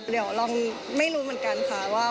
เดี๋ยวลองไม่รู้เหมือนกันค่ะว่า